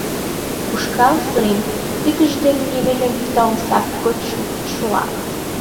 Ушкал, сырен, тӱкыж дене Емелям вӱта омса гоч луктын шуа.